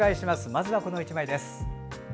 まずはこの１枚です。